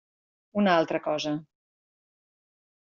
Una altra cosa.